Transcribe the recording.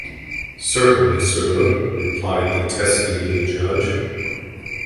‘Certainly, sir,’ replied the testy little judge.